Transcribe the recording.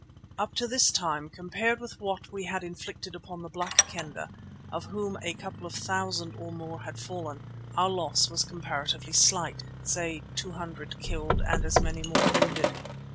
Up to this time, compared with what which we had inflicted upon the Black Kendah, of whom a couple of thousand or more had fallen, our loss was comparatively slight, say two hundred killed and as many more wounded.